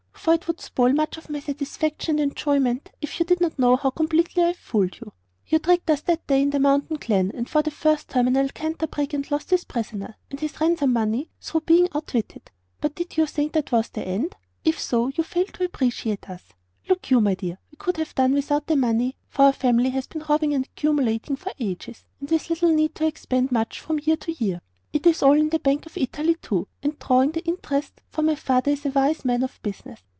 For it would spoil much of my satisfaction and enjoyment if you did not know how completely I have fooled you. "You tricked us that day in the mountain glen, and for the first time an Alcanta brigand lost his prisoners and his ransom money through being outwitted. But did you think that was the end? If so you failed to appreciate us. "Look you, my dear, we could have done without the money, for our family has been robbing and accumulating for ages, with little need to expend much from year to year. It is all in the Bank of Italy, too, and drawing the interest, for my father is a wise man of business.